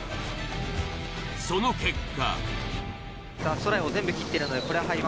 その結果。